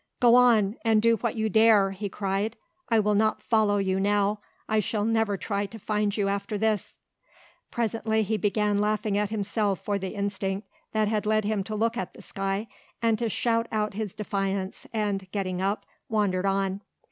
"Go on and do what you dare!" he cried. "I will not follow you now. I shall never try to find you after this." Presently he began laughing at himself for the instinct that had led him to look at the sky and to shout out his defiance and, getting up, wandered on.